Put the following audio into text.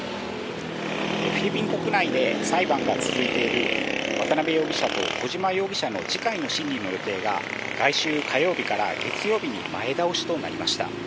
フィリピン国内で裁判が続いている渡辺容疑者と小島容疑者の次回の審理の予定が、来週火曜日から月曜日に前倒しとなりました。